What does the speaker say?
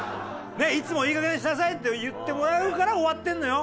いつも「いいかげんにしなさい！」って言ってもらうから終わってるのよ。